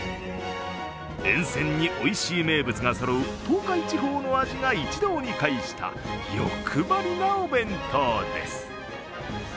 沿線においしい名物がそろう東海地方の味が一堂に会した欲張りなお弁当です。